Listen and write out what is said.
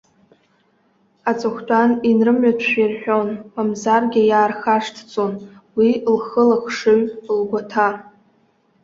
Аҵыхәтәан, инрымҩатәшәа ирҳәон, мамзаргьы иаархашҭӡон, уи лхы-лыхшыҩ, лгәаҭа.